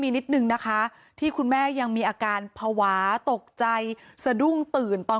มีนิดนึงนะคะที่คุณแม่ยังมีอาการภาวะตกใจสะดุ้งตื่นตอน